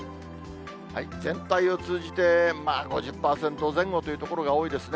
全体を通じて、５０％前後という所が多いですね。